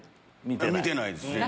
見てないです全然。